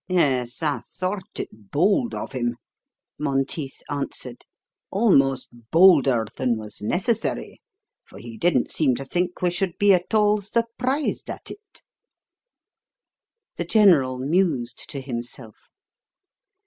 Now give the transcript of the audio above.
"Yes, I thought it bold of him," Monteith answered, "almost bolder than was necessary; for he didn't seem to think we should be at all surprised at it." The General mused to himself.